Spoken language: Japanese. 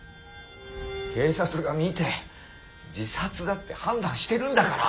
警察が見て自殺だって判断してるんだから。